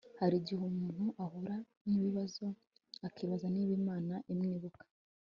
hari igihe umuntu ahura nibibazo akibaza niba Imana imwibuka